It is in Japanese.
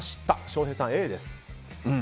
翔平さん、Ａです。